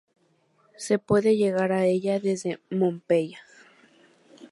Se puede llegar a ella desde Pompeya.